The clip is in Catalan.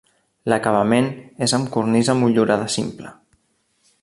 L'acabament és amb cornisa motllurada simple.